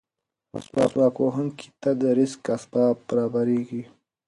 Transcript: مسواک وهونکي ته د رزق اسباب برابرېږي.